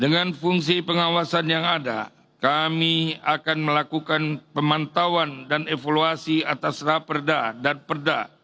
dengan fungsi pengawasan yang ada kami akan melakukan pemantauan dan evaluasi atas raperda dan perda